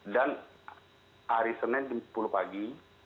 dan hari senin sepuluh pagi